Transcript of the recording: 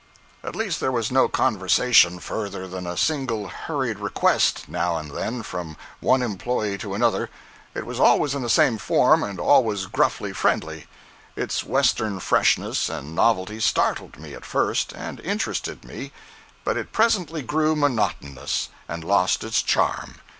At least there was no conversation further than a single hurried request, now and then, from one employee to another. It was always in the same form, and always gruffly friendly. Its western freshness and novelty startled me, at first, and interested me; but it presently grew monotonous, and lost its charm.